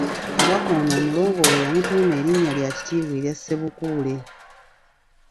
Kabaka ono Omulongo we yamutuuma erinnya lya kitiibwa erya Ssebukuule.